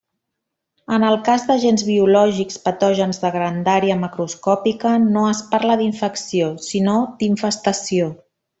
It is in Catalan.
En el cas d'agents biològics patògens de grandària macroscòpica, no es parla d'infecció, sinó d'infestació.